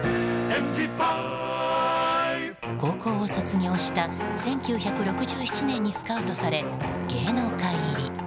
高校を卒業した１９６７年にスカウトされ、芸能界入り。